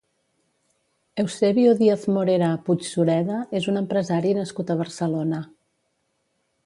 Eusebio Díaz-Morera Puig-Sureda és un empresari nascut a Barcelona.